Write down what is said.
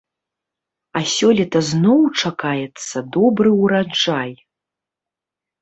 А сёлета зноў чакаецца добры ўраджай.